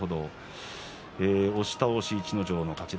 押し倒し、逸ノ城の勝ち。